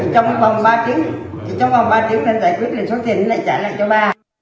trong vòng ba tiếng trong vòng ba tiếng hắn giải quyết rồi số tiền lại trả lại cho bà